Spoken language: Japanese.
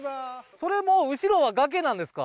それもう後ろは崖なんですか？